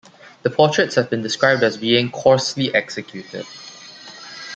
The portraits have been described as being "coarsely executed".